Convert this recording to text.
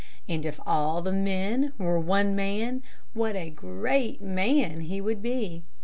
And if all the men were one man, What a great man he would be!